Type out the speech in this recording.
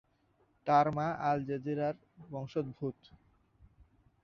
তার মা আলজেরীয় বংশোদ্ভূত।